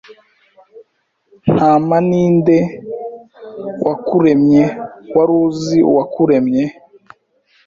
Ntama ni nde wakuremyeWari uzi uwakuremye